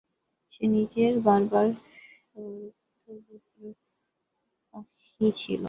সে নিজে বরাবর স্বরূপত সেই উপরের পাখীই ছিল।